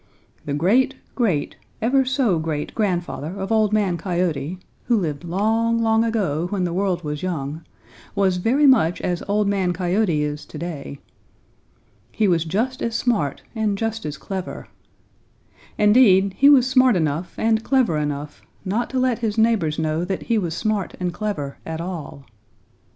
"The great great ever so great grandfather of Old Man Coyote, who lived long, long ago when the world was young, was very much as Old Man Coyote is to day. He was just as smart and just as clever. Indeed, he was smart enough and clever enough not to let his neighbors know that he was smart and clever at all.